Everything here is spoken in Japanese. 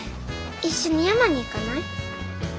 一緒に山に行かない？